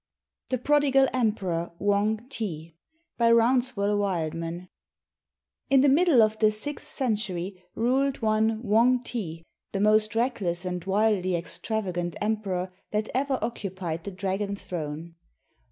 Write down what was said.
THE PRODIGAL EMPEROR WANG TI BY ROUNSEVELLE WILDMAN In the middle of the sixth century ruled one Wang ti, the most reckless and wildly extravagant emperor that ever occupied the dragon throne.